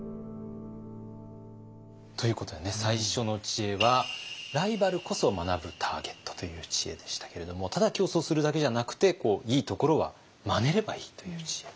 ということでね最初の知恵はライバルこそ学ぶターゲットという知恵でしたけれどもただ競争するだけじゃなくていいところはまねればいいという知恵。